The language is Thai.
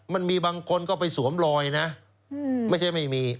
มันมีบางคนก็ไปสวมรอยนะไม่ใช่ไม่มี